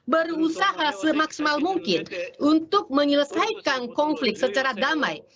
berusaha semaksimal mungkin untuk menyelesaikan konflik secara damai